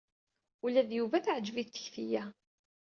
Ula d Yuba teɛjeb-it tekti-a.